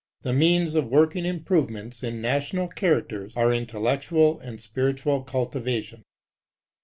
The means of working improvements in national characters are intellectual and spiritual cultivation.